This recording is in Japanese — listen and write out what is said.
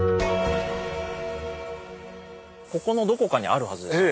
ここのどこかにあるはずですが。